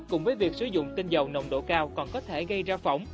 cùng với việc sử dụng tinh dầu nồng độ cao còn có thể gây ra phỏng